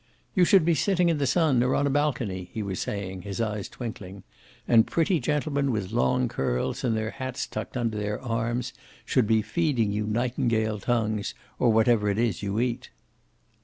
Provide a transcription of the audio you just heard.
"You should be sitting in the sun, or on a balcony," he was saying, his eyes twinkling. "And pretty gentlemen with long curls and their hats tucked under their arms should be feeding you nightingale tongues, or whatever it is you eat."